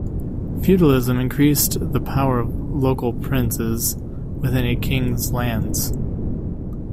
Feudalism increased the power of local princes within a king's lands.